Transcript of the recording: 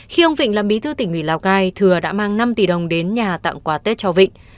khi ông vịnh là bí thư tỉnh ủy lào cai thừa đã mang năm tỷ đồng đến nhà tặng quà tết cho vịnh